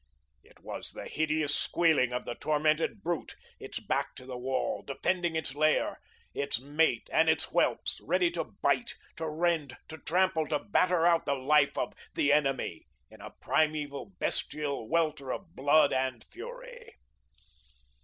It was the hideous squealing of the tormented brute, its back to the wall, defending its lair, its mate and its whelps, ready to bite, to rend, to trample, to batter out the life of The Enemy in a primeval, bestial welter of blood and fury.